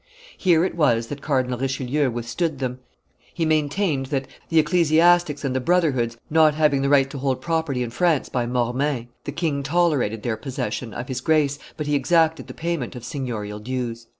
Here it was that Cardinal Richelieu withstood them: he maintained that, the ecclesiastics and the brotherhoods not having the right to hold property in France by mortmain, the king tolerated their possession, of his grace, but he exacted the payment of seignorial dues.